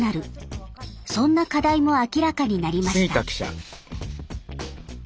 そんな課題も明らかになりました。